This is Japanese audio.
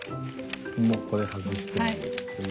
もうこれ外していい。